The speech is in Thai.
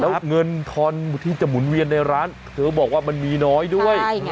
แล้วเงินทอนที่จะหมุนเวียนในร้านเธอบอกว่ามันมีน้อยด้วย